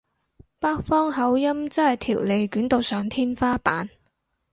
北方口音真係條脷捲到上天花板